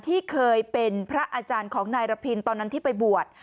ที่เคยเป็นพระอาจารย์ของนายระพินตอนนั้นที่ไปบวช